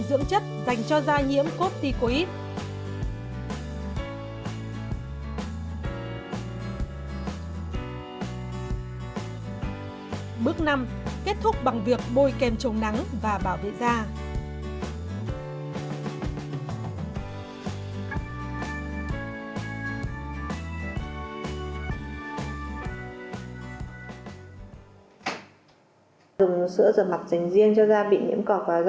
bước năm đắp sạch sâu da mặt sau đó di tính chất